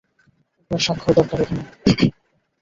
আপনার সাক্ষর দরকার এখানে।